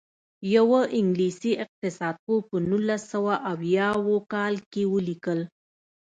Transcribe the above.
یوه انګلیسي اقتصاد پوه په نولس سوه اویاووه کال کې ولیکل.